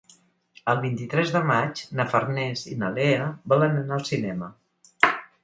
El vint-i-tres de maig na Farners i na Lea volen anar al cinema.